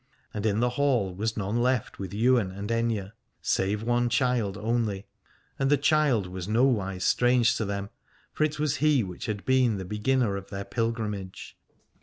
And in the hall was none left with Ywain and Aithne, save one child only : and the child was nowise strange to them, for it was he which had been the beginner of their pilgrimage.